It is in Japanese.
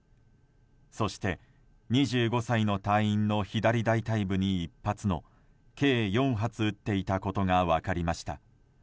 そして、２５歳の隊員の左大腿部に１発の計４発、撃っていたことが分かりました。